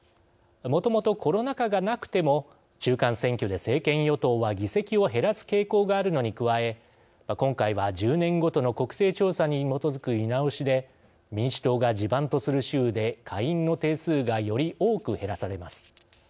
もともとコロナ禍がなくても中間選挙で政権与党は議席を減らす傾向があるのに加え今回は１０年ごとの国勢調査に基づく見直しで民主党が地盤とする州で下院の定数がより多く減らされます。